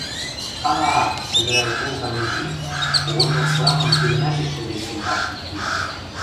— А-а! — сӹгӹрӓл колта Митри, когонжок штрафым тӱлӹмӓшеш шӹдешкен каштын, виднӹ.